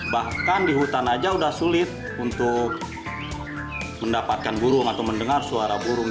bahkan di hutan aja sudah sulit untuk mendapatkan burung atau mendengar suara burung